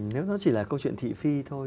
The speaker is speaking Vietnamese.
nếu nó chỉ là câu chuyện thị phi thôi